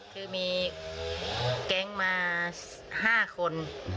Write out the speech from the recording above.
คือมีแก๊งมา๕คน